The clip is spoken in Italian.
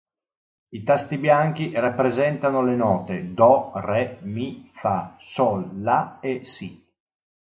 I tasti bianchi rappresentano le note: do, re, mi, fa, sol, la e si.